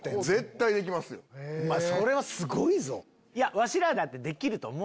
それはすごいぞ。